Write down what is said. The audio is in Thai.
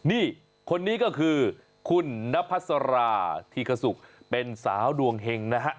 นี่คนนี้ก็คือคุณนพัสราธิกษุกเป็นสาวดวงเฮงนะฮะ